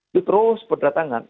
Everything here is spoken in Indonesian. itu terus kedatangan